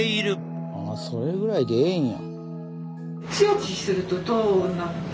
それぐらいでええんや。